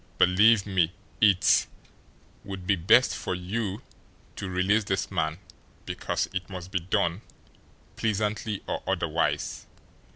"Believe me, it would be best for you to release this man, because it must be done, pleasantly or otherwise.